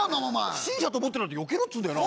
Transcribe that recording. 不審者と思ってるんだったらよけろっつうんだよな。